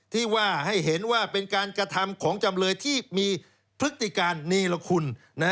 ที่ว่าให้เห็นว่าเป็นการกระทำของจำเลยที่มีพฤติการเนรคุณ